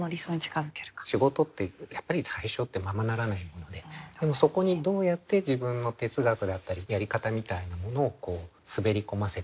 仕事ってやっぱり最初ってままならないものででもそこにどうやって自分の哲学だったりやり方みたいなものを滑り込ませていく。